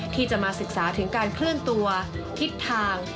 ที่จะมาศึกษาถึงการเคลื่อนตัวทิศทาง